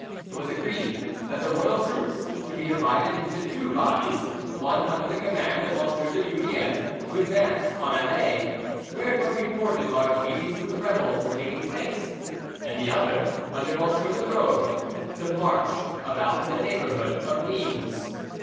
It was agreed that the royal troops should be divided into two bodies, one under the command of M. de Julien to advance on Alais, where it was reported large meetings of the rebels were taking place, and the other under M. de Brogue, to march about in the neighbourhood of Nimes.